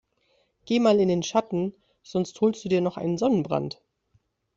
Geh mal in den Schatten, sonst holst du dir noch einen Sonnenbrand.